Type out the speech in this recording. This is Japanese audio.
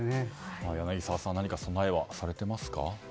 柳澤さん、何か備えはされていますか？